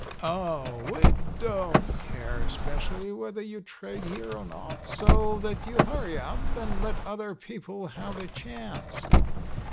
"Oh, we don't care especially whether you trade here or not, so that you hurry up and let other people have a chance.